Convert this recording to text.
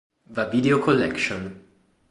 The Video Collection